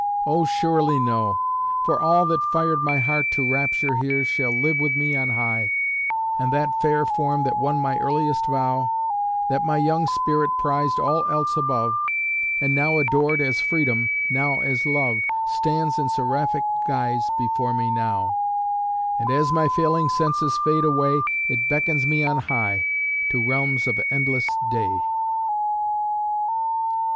Oh, surely no! for all that fired my heart To rapture here shall live with me on high; And that fair form that won my earliest vow, That my young spirit prized all else above, And now adored as Freedom, now as Love, Stands in seraphic guise before me now; And as my failing senses fade away It beckons me on high, to realms of endless day.